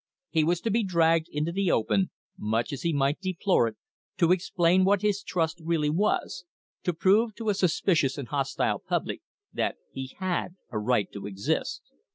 He was to be dragged into the open, much as he might deplore it, to explain what his trust really was, to prove to a suspicious and hostile public that he had a right to exist.